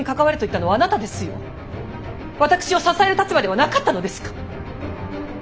私を支える立場ではなかったのですか。